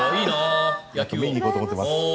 見に行こうと思ってます。